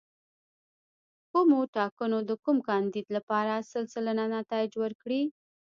کومو ټاکنو د کوم کاندید لپاره سل سلنه نتایج ورکړي.